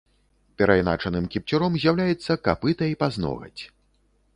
Перайначаным кіпцюром з'яўляецца капыта і пазногаць.